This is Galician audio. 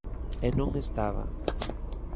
E non estaba.